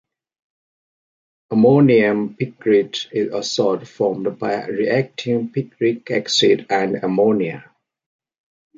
Ammonium picrate is a salt formed by reacting picric acid and ammonia.